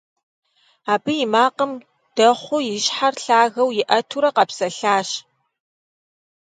Абы и макъым дэхъуу и щхьэр лъагэу иӀэтурэ къэпсэлъащ.